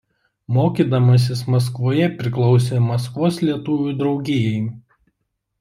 Mokydamasis Maskvoje priklausė Maskvos lietuvių draugijai.